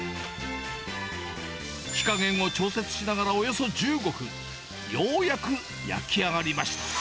火加減を調節しながらおよそ１５分、ようやく焼き上がりました。